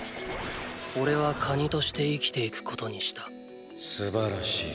おれはカニとして生きていくことにしたすばらしい。